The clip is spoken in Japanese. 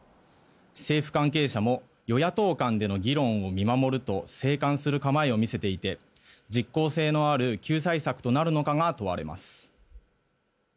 政府関係者も与野党間での議論を見守ると静観する構えを見せていて実効性のある救済策となるのかが問われます。